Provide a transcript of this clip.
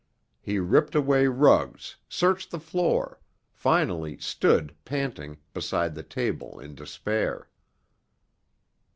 He ripped away rugs, searched the floor, finally stood, panting, beside the table in despair.